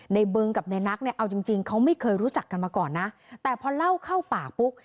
บึงกับในนักเนี่ยเอาจริงจริงเขาไม่เคยรู้จักกันมาก่อนนะแต่พอเล่าเข้าปากปุ๊บ